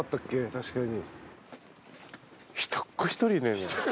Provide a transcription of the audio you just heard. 確かに。